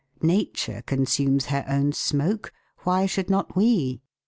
" Nature consumes her own smoke, why should not we